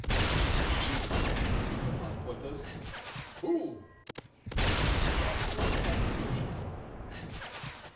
"Indeed!" replied Porthos, "who?" "That poor Count de Rochefort."